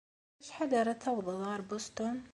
Ɣef wacḥal ara tawḍeḍ ɣer Bustun?